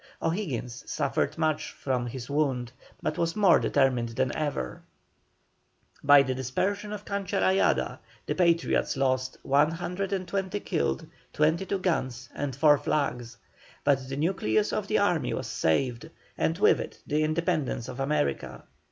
O'Higgins suffered much from his wound, but was more determined than ever. By the dispersion of Cancha Rayada the Patriots lost 120 killed, 22 guns, and 4 flags, but the nucleus of the army was saved, and with it the independence of America.